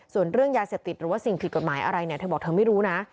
ส่วนเรื่องยาเสพติดหรือว่าสิ่งผิดกฎหมายอะไรเนี่ยเธอบอกเธอไม่รู้นะ